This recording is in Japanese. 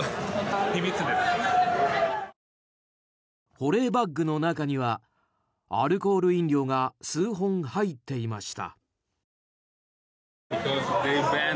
保冷バッグの中にはアルコール飲料が数本入っていました。